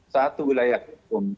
satu wilayah hukum